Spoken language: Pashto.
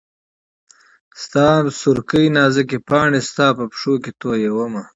ستا سورکۍ نازکي پاڼي ستا په پښو کي تویومه